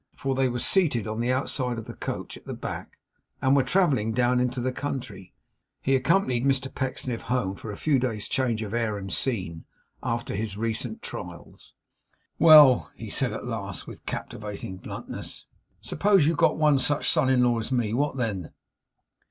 For they were seated on the outside of the coach, at the back, and were travelling down into the country. He accompanied Mr Pecksniff home for a few days' change of air and scene after his recent trials. 'Well,' he said, at last, with captivating bluntness, 'suppose you got one such son in law as me, what then?